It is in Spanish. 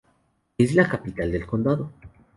Es la capital del condado.